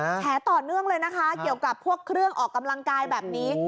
แฉต่อเนื่องเลยนะคะเกี่ยวกับพวกเครื่องออกกำลังกายแบบนี้